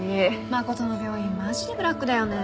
真都の病院マジでブラックだよね。